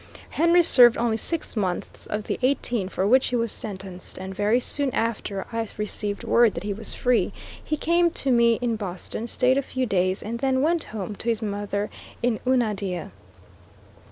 Henry served only six months of the eighteen for which he was sentenced, and very soon after I received word that he was free, he came to me in Boston, stayed a few days, and then went home to his mother in Unadilla.